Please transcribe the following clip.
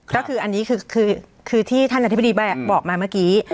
ก็คืออันนี้คือที่ท่านอธิบดีบอกมาเมื่อกี้